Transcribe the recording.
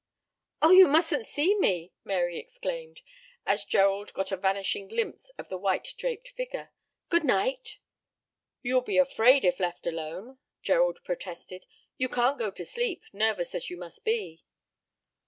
"Oh, you mustn't see me," Mary exclaimed, as Gerald got a vanishing glimpse of the white draped figure. "Good night." "You will be afraid if left alone," Gerald protested; "you can't go to sleep, nervous as you must be."